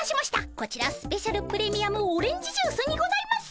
こちらスペシャルプレミアムオレンジジュースにございます。